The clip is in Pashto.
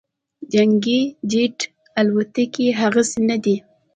جنګي جیټ الوتکې هغسې نه دي